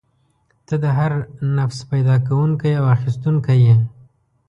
ته د هر نفس پیدا کوونکی او اخیستونکی یې.